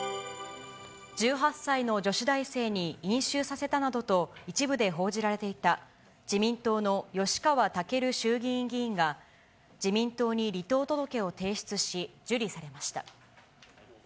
１８歳の女子大生に飲酒させたなどと一部で報じられていた自民党の吉川赳衆議院議員が、自民党に離党届を提出し、受理されました。